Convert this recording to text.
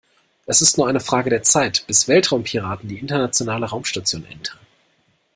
Es ist nur eine Frage der Zeit, bis Weltraumpiraten die Internationale Raumstation entern.